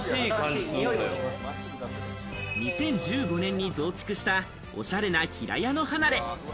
２０１５年に増築したおしゃれな平屋の離れ。